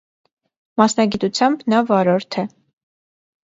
Մասնագիտությամբ նա վարորդ է։